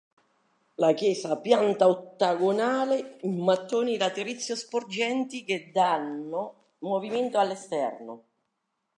La chiesa ha pianta ottagonale, in mattoni di laterizio sporgenti, che danno movimento all'esterno.